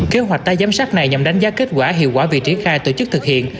kế hoạch tái giám sát này nhằm đánh giá kết quả hiệu quả việc triển khai tổ chức thực hiện